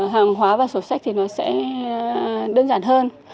hàng hóa và sổ sách thì nó sẽ đơn giản hơn